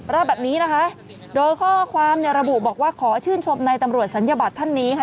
เล่าแบบนี้นะคะโดยข้อความเนี่ยระบุบอกว่าขอชื่นชมในตำรวจศัลยบัตรท่านนี้ค่ะ